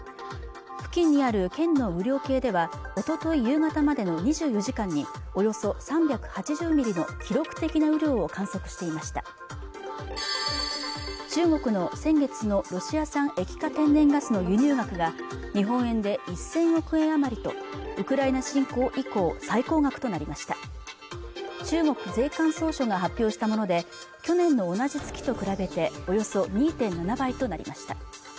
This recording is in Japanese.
付近にある県の雨量計ではおととい夕方までの２４時間におよそ３８０ミリの記録的な雨量を観測していました中国の先月のロシア産液化天然ガスの輸入額が日本円で１０００億円余りとウクライナ侵攻以降最高額となりました中国税関総署が発表したもので去年の同じ月と比べておよそ２．７倍となりました